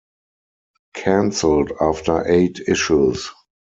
Canceled after eight issues.